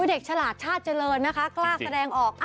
เด็กฉลาดชาติเจริญนะคะกล้าแสดงออก